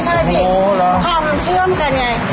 ใช่คอมมันเชื่อมกันไง